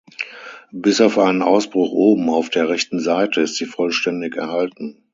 Bis auf einen Ausbruch oben auf der rechten Seite ist sie vollständig erhalten.